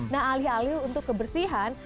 nah alih alih untuk kebersihan